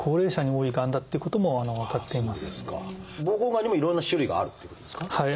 膀胱がんにもいろんな種類があるっていうことですか？